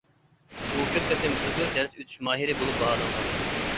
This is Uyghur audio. ئۇ كۆپ قېتىم «ئۈلگىلىك دەرس ئۆتۈش ماھىرى» بولۇپ باھالانغان.